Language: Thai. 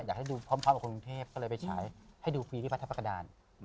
อยากให้ดูพร้อมพร้อมกับกรุงเทพฯก็เลยไปใช้ให้ดูฟรีที่พระธรรมกระดาน